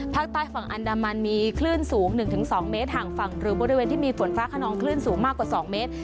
ภาคใต้ฝั่งอันดามันมีคลื่นสูง๑๒เมตรห่างฝั่งหรือบริเวณที่มีฝนฟ้าขนองคลื่นสูงมากกว่า๒เมตร